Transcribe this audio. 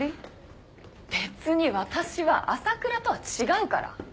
別に私は朝倉とは違うから。